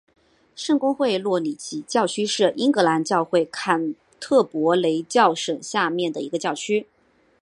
圣公会诺里奇教区是英格兰教会坎特伯雷教省下面的一个教区。